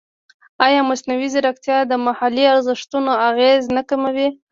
ایا مصنوعي ځیرکتیا د محلي ارزښتونو اغېز نه کموي؟